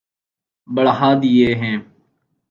بڑھا دیے ہیں